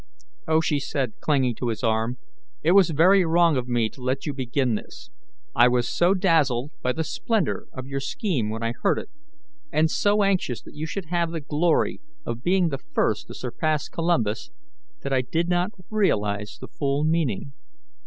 "Oh," she said, clinging to his arm, "it was very wrong of me to let you begin this. I was so dazzled by the splendour of your scheme when I heard it, and so anxious that you should have the glory of being the first to surpass Columbus, that I did not realize the full meaning.